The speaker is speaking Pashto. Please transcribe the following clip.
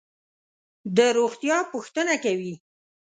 د روغتیا پوښتنه کوي.